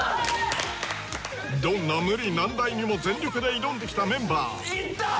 どんな無理難題にも全力で挑んできたメンバーイッタ！